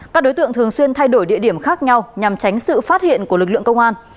các đối tượng thường xuyên thay đổi địa điểm khác nhau nhằm tránh sự phát hiện của lực lượng công an